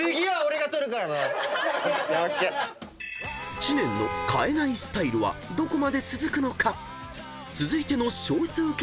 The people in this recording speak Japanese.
［知念の変えないスタイルはどこまで続くのか］